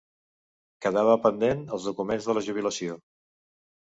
Quedava pendent el documents de la jubilació.